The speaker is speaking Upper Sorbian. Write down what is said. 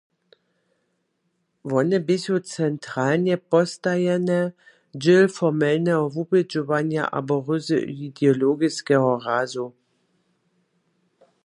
Wone běchu centralnje postajene, dźěl formelneho wubědźowanja abo ryzy ideologiskeho razu.